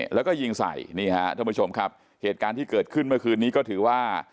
แล้วก็ยิงใส่นี่ฮะท่านผู้ชมครับเหตุการณ์ที่เกิดขึ้นเมื่อคืนนี้ก็ถือว่า